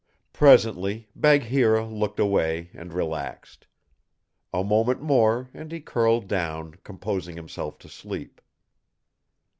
Presently Bagheera looked away and relaxed. A moment more, and he curled down, composing himself to sleep.